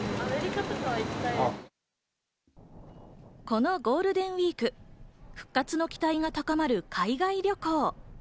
このゴールデンウイーク、復活の期待が高まる海外旅行。